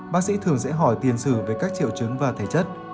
bác sĩ thường sẽ hỏi tiền sử về các triệu chứng và thể chất